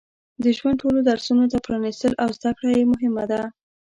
د ژوند ټولو درسونو ته پرانستل او زده کړه یې مهمه ده.